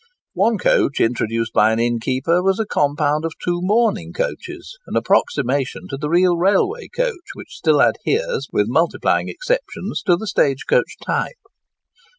One coach, introduced by an innkeeper, was a compound of two mourning coaches,—an approximation to the real railway coach, which still adheres, with multiplying exceptions, to the stage coach type.